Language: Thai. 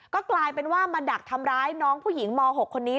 ก็กลายเป็นว่ามาดักทำร้ายน้องผู้หญิงม๖คนนี้